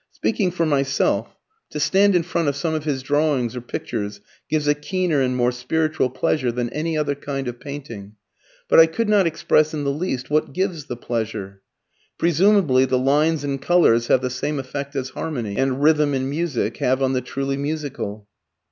Speaking for myself, to stand in front of some of his drawings or pictures gives a keener and more spiritual pleasure than any other kind of painting. But I could not express in the least what gives the pleasure. Presumably the lines and colours have the same effect as harmony and rhythm in music have on the truly musical.